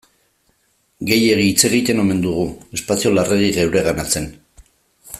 Gehiegi hitz egiten omen dugu, espazio larregi geureganatzen.